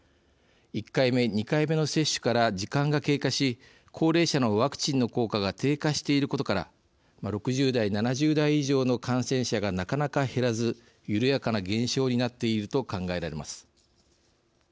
１回目、２回目の接種から時間が経過し高齢者のワクチンの効果が低下していることから６０代、７０代以上の感染者がなかなか減らず緩やかな減少になっていると考えられます。